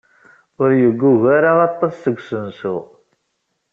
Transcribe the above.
Ur yeggug ara aṭas seg usensu.